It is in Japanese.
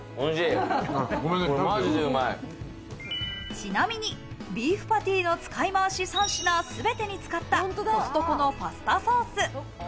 ちなみに、ビーフパティの使いまわし３品すべてに使ったコストコのパスタソース。